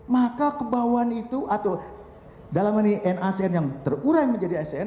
maka kebauan itu atau dalam nanya nacn yang terurai menjadi hcn